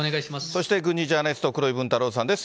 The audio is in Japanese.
そして軍事ジャーナリスト、黒井文太郎さんです。